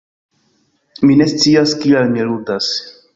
Mi ne scias kial mi ludas